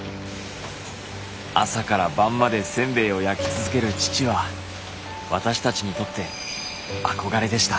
朝から晩までせんべいを焼き続ける父は私たちにとってあこがれでした。